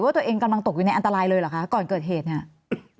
ตัวเองกำลังตกอยู่ในอันตรายเลยเหรอคะก่อนเกิดเหตุเนี่ย